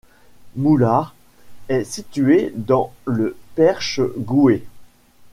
Moulhard est située dans le Perche-Gouët.